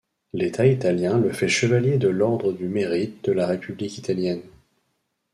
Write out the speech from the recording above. L'État italien le fait Chevalier de l'Ordre du Mérite de la République italienne.